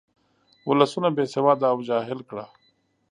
ولسونه بې سواده او جاهل کړه.